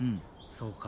そうか。